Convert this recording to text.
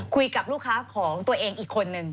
คุยกับลูกค้าของตัวเองอีกคนนึง